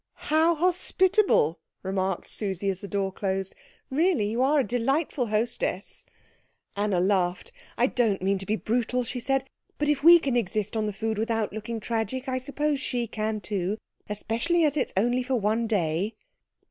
"How hospitable," remarked Susie as the door closed. "Really you are a delightful hostess." Anna laughed. "I don't mean to be brutal," she said, "but if we can exist on the food without looking tragic I suppose she can too, especially as it is only for one day."